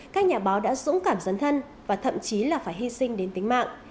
các nhà báo đã dũng cảm dấn thân và thậm chí là phải hy sinh đến tính mạng